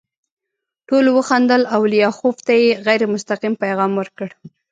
ټولو وخندل او لیاخوف ته یې غیر مستقیم پیغام ورکړ